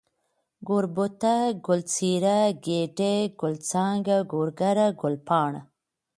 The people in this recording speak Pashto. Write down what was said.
گوربته ، گل څېره ، گېډۍ ، گل څانگه ، گورگره ، گلپاڼه